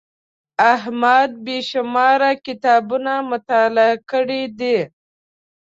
احمد بې شماره کتابونه مطالعه کړي دي.